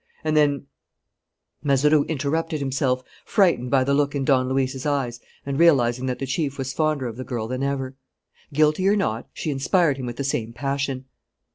And then " Mazeroux interrupted himself, frightened by the look in Don Luis's eyes and realizing that the chief was fonder of the girl then ever. Guilty or not, she inspired him with the same passion.